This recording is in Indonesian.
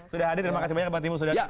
sudah hadir terima kasih banyak bang timus